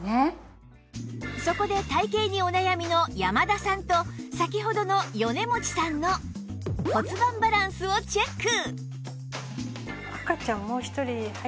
そこで体形にお悩みの山田さんと先ほどの米持さんの骨盤バランスをチェック！